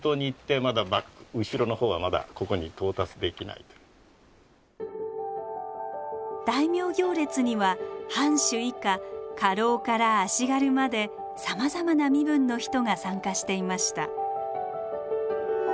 まだ大名行列には藩主以下家老から足軽までさまざまな身分の人が参加していました。